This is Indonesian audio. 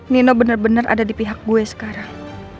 dia bener bener ada di pihak gue sekarang